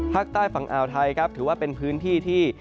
ภาคใต้ฝั่งอ่าวไทยครับถือว่าเป็นพื้นที่ที่